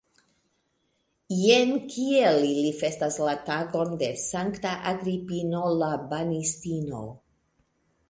Jen kiel ili festas la tagon de sankta Agripino la Banistino!